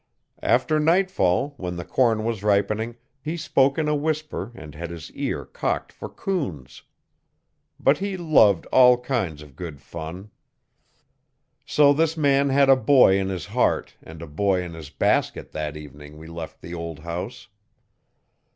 After nightfall, when the corn was ripening, he spoke in a whisper and had his ear cocked for coons. But he loved all kinds of good fun. So this man had a boy in his heart and a boy in his basket that evening we left the old house.